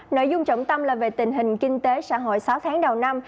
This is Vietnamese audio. nội dung trọng tâm là về tình hình kinh tế xã hội sáu tháng đầu năm